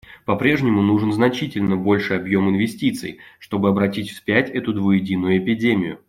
По-прежнему нужен значительно больший объем инвестиций, чтобы обратить вспять эту двуединую эпидемию.